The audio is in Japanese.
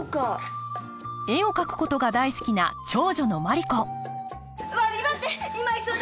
絵を描くことが大好きな長女のマリ子悪いばってん